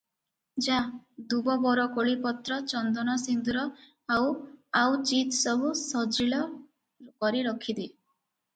ଯା, ଦୂବ ବରକୋଳିପତ୍ର ଚନ୍ଦନ ସିନ୍ଦୂର ଆଉ ଆଉ ଚିଜ ସବୁ ସଜିଲ କରି ରଖି ଦେ ।